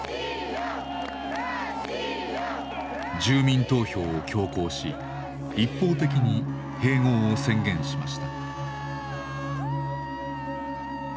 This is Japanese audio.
住民投票を強行し一方的に併合を宣言しました。